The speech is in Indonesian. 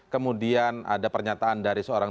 kemudian ada pernyataan dari seorang